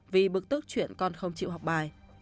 vì bực tức chuyện con không chịu học bài